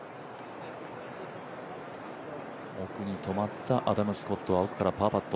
奥に止まったアダム・スコットは奥からパーパット。